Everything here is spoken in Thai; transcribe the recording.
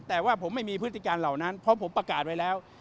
แต่ว่าผมไม่มีพฤติการเหล่านั้นเพราะผมประกาศไว้แล้ว